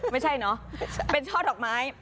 ไม่ใช่เนอะเป็นช่อดอกไม้